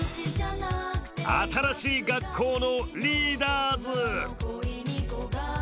新しい学校のリーダーズ。